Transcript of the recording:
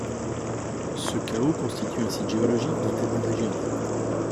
Ce chaos constitue un site géologique d'intérêt régional.